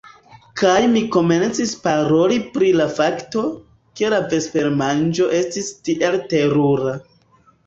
Kaj mi komencis paroli pri la fakto, ke la vespermanĝo estis tiel terura.